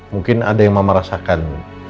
mungkin ada yang mama rasakan